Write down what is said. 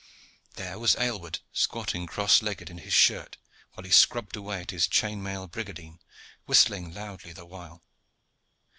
There was Aylward squatting cross legged in his shirt, while he scrubbed away at his chain mail brigandine, whistling loudly the while.